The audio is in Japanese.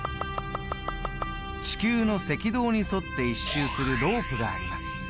地球の赤道に沿って１周するロープがあります。